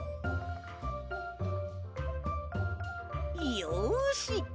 よし。